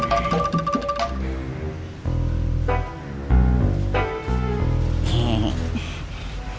eh kang komar